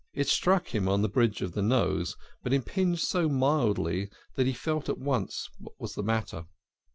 It struck him on the bridge of the nose, but impinged so mildly that he felt at once what was the matter.